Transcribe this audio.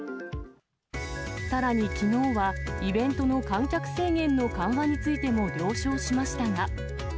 さらにきのうは、イベントの観客制限の緩和についても了承しましたが。